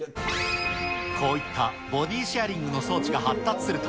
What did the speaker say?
こういったボディシアリングの装置が発達すると、